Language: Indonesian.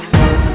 ampuni paman mas